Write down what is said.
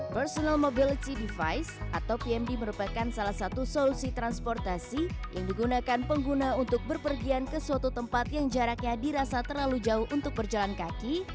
personal mobility device atau pmd merupakan salah satu solusi transportasi yang digunakan pengguna untuk berpergian ke suatu tempat yang jaraknya dirasa terlalu jauh untuk berjalan kaki